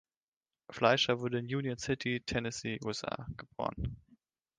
Fleisher wurde in Union City, Tennessee, USA geboren.